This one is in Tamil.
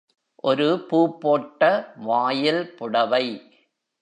ஒரு பூப்போட்ட வாயில் புடவை.